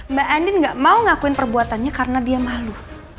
mbak andin gak mau ngakuin perbuatannya karena dia malu